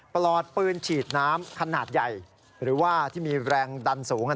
ปลอดปืนฉีดน้ำขนาดใหญ่หรือว่าที่มีแรงดันสูง